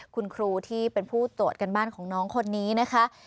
คุณครูที่เป็นผู้ตรวจการบ้านของน้องคนนี้นะคะ